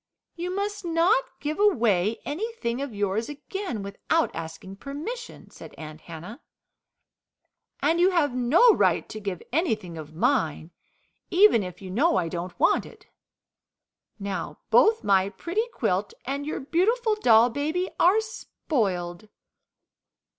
"You must not give away anything of yours again without asking permission," said Aunt Hannah. "And you have no right to give anything of mine, even if you know I don't want it. Now both my pretty quilt and your beautiful doll baby are spoiled."